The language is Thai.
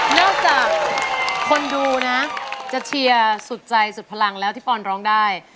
นอกจากคนดูนะจะเชียร์สุดใจสุดพลังแล้วที่ปอนร้องได้